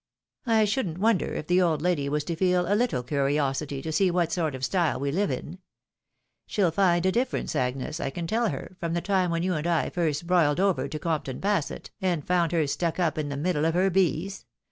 I shouldn't wonder if the old lady was to feel a little curiosity to see what sort of style we live in. She'll find a difference, Agnes, I can tell her, from tjie time when you and I first broiled over to Compton Basset, and found her stuck up in the middle of her bees.